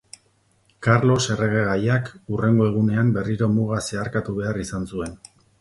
Karlos erregegaiak hurrengo egunean berriro muga zeharkatu behar izan zuen.